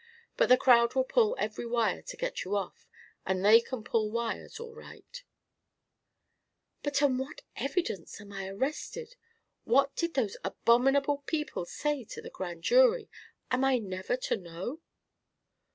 But the crowd will pull every wire to get you off, and they can pull wires, all right " "But on what evidence am I arrested? What did those abominable people say to the Grand Jury? Am I never to know?"